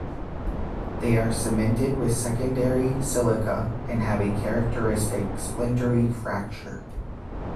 They are cemented with secondary silica and have a characteristic splintery fracture.